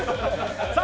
さあ